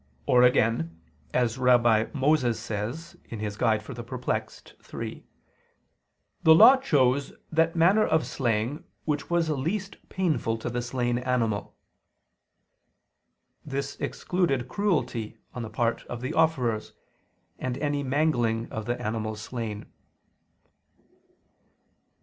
Or again, as Rabbi Moses says (Doct. Perplex. iii), "the Law chose that manner of slaying which was least painful to the slain animal." This excluded cruelty on the part of the offerers, and any mangling of the animals slain.